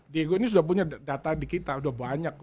diego ini sudah punya data di kita sudah banyak